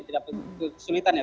tidak kesulitan ya